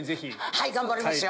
はい頑張りますよ。